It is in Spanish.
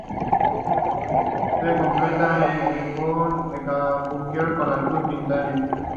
Se completa con escapulario con la cruz trinitaria.